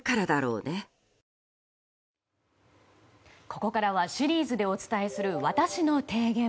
ここからはシリーズでお伝えするわたしの提言。